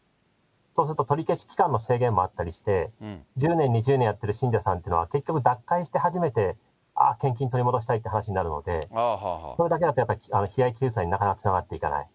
そうすると取り消し期間の制限もあったりして、１０年、２０年やってる信者さんっていうのは、結局脱会して初めて、ああ、献金取り戻したいっていう話になるので、それだけだと被害救済になかなかつながっていかない。